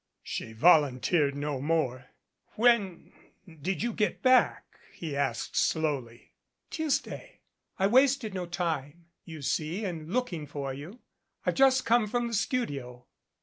She volunteered no more. "When did you get back?" he asked slowly. "Tuesday. I wasted no time, you see, in looking for you. I've just come from the studio."